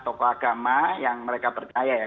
tokoh agama yang mereka percaya ya